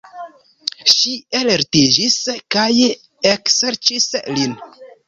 Ŝi ellitiĝis kaj ekserĉis lin.